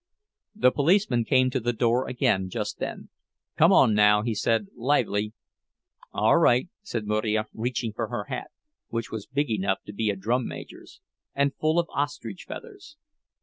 The policeman came to the door again just then. "Come on, now," he said. "Lively!" "All right," said Marija, reaching for her hat, which was big enough to be a drum major's, and full of ostrich feathers.